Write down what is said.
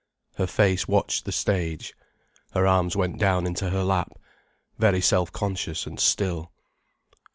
Her face watched the stage. Her arms went down into her lap, very self conscious and still.